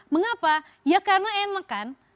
mengapa ya karena enakan